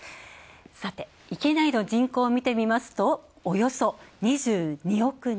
域内の人口を見てみますと、およそ２２億人。